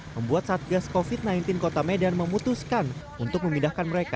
membuat satgas covid sembilan belas kota medan memutuskan untuk memindahkan mereka